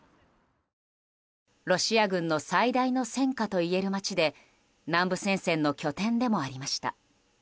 ロシア軍の最大の戦果といえる街で南部戦線の拠点でもありました。